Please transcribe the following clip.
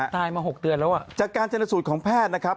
ตายมา๖เดือนแล้วอ่ะจากการชนสูตรของแพทย์นะครับ